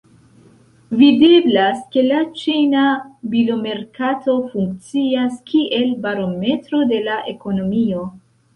Videblas ke la ĉina bilomerkato funkcias kiel barometro de la ekonomio.